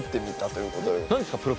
何ですか？